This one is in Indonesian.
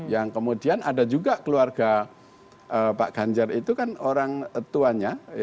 yang kemudian ada juga keluarga pak ganjar itu kan orang tuanya